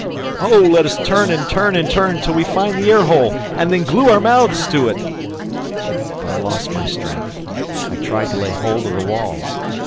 "Oh, let us turn and turn and turn until we find the air hole and then glue our mouths to it!" But I lost my strength; I tried to lay hold of the walls!